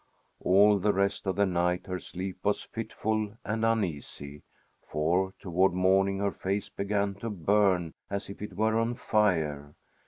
All the rest of the night her sleep was fitful and uneasy, for toward morning her face began to burn as if it were on fire.